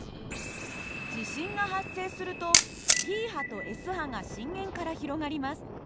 地震が発生するとＰ波とＳ波が震源から広がります。